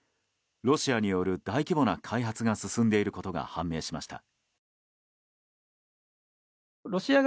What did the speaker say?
ロシアによる大規模な開発が進んでいることが判明しました。